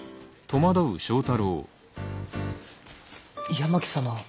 八巻様